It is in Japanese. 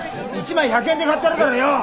１枚１００円で買ってやるからよ。